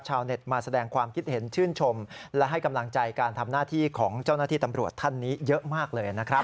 ชาวเน็ตมาแสดงความคิดเห็นชื่นชมและให้กำลังใจการทำหน้าที่ของเจ้าหน้าที่ตำรวจท่านนี้เยอะมากเลยนะครับ